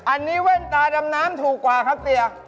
อันนี้แว่นตาดำน้ำถูกกว่าครับเตีย